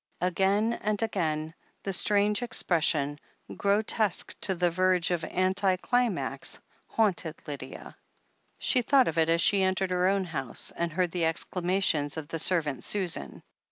Again and again, the strange expression, grotesque to the verge of anti climax, haunted Lydia. She thought of it as she entered her own house, and heard the exclamations of the servant Susan.